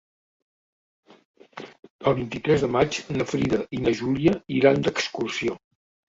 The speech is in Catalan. El vint-i-tres de maig na Frida i na Júlia iran d'excursió.